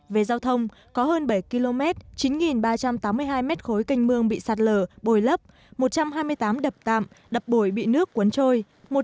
về giao thông có hơn bảy km chín ba trăm tám mươi hai mét khối canh mương bị sạt lở bồi lấp một trăm hai mươi tám đập tạm đập bồi bị nước cuốn trôi